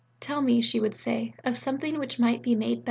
"Tell me," she would say, "of something which might be made better."